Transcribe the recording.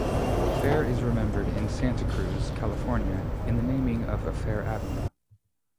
Fair is remembered in Santa Cruz, California in the naming of Fair Avenue.